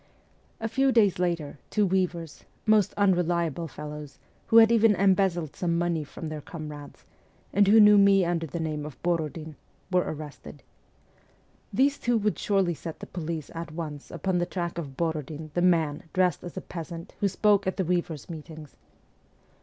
A few days later, two weavers most unreliable fellows, who had even embezzled some money from their com rades, and who knew me under the name of Borodin were arrested. These two would surely set the police at once upon the track of Borodin, the man, dressed as a peasant, who spoke at the weavers' meetings.